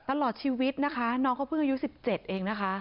ตลอดชีวิตนะคะน้องเขาเพิ่งอายุ๑๗เองนะคะ